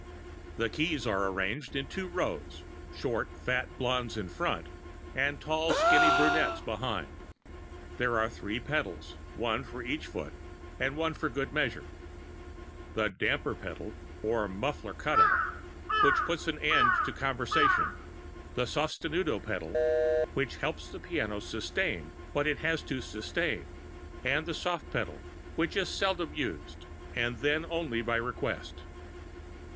The keys are arranged in two rows short, fat blondes in front, and tall, skinny brunettes behind. There are three pedals (one for each foot, and one for good measure): the damper pedal (or muffler cut out), which puts an end to conversation; the sostenuto pedal, which helps the piano sustain what it has to sustain; and the soft pedal, which is seldom used, and then only by request.